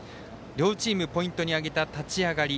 両チーム、ポイントに挙げた立ち上がり。